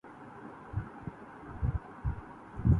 مے فرنگ کا تہ جرعہ بھی نہیں ناصاف